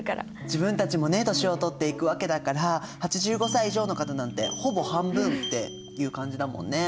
自分たちも年をとっていくわけだから８５歳以上の方なんてほぼ半分っていう感じだもんね。